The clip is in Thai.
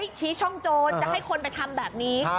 ชี้ช่องโจรจะให้คนไปทำแบบนี้